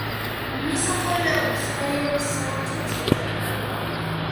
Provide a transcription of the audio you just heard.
მესაქონლეობის რაიონის სავაჭრო ცენტრი.